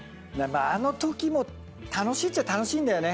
あのときも楽しいっちゃ楽しいんだよね。